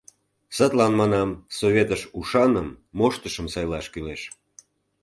Садлан манам, Советыш ушаным, моштышым сайлаш кӱлеш.